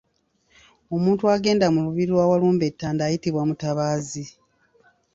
Omuntu agenda mu lubiri lwa Walumbe e Ttanda ayitibwa Mutabaazi.